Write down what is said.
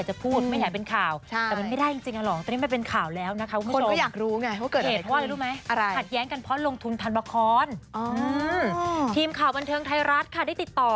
ทีมข่าวบันเทิงไทยรัฐค่ะได้ติดต่อ